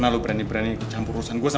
kamu suka banget kayaknya